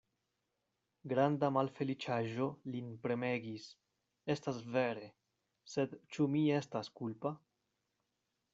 Granda malfeliĉaĵo lin premegis; estas vere: sed ĉu mi estas kulpa?